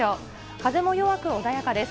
風も弱く穏やかです。